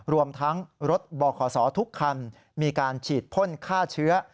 รวมทั้งรถบขทุกคันมีการฉีดพ่นฆ่าเชื้อ